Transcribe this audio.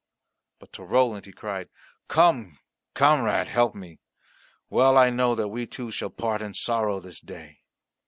But to Roland he cried, "Come, comrade, help me; well I know that we two shall part in great sorrow this day."